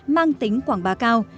mang tính quảng bà cao